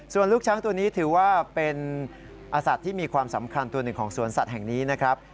ส่วนลูกช้างตัวนี้ถือว่าเป็นอสัตว์ที่มีความสำคัญตัวหนึ่งของสวนสัตว์แห่งนี้นะครับ